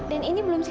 dan ini belum saja